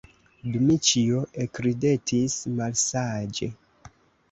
Dmiĉjo ekridetis malsaĝe.